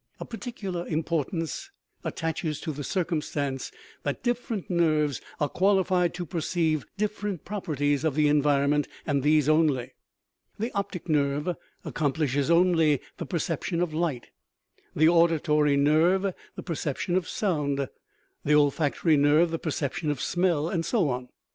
A particular importance attaches to the circumstance that different nerves are qualified to perceive different properties of the environment, and these only. The optic nerve accomplishes only the perception of light, the auditory nerve the perception of sound, the olfac tory nerve the perception of smell, and so on.